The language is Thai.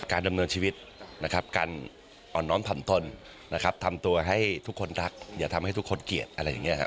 ดำเนินชีวิตนะครับการอ่อนน้อมทำต้นนะครับทำตัวให้ทุกคนรักอย่าทำให้ทุกคนเกลียดอะไรอย่างนี้ครับ